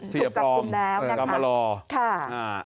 เสียปลอมกลับมารอ